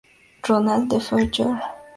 Ronald DeFeo, Jr.